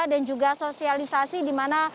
dan juga sosialisasi dimana